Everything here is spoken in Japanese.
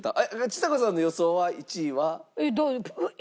ちさ子さんの予想は１位は。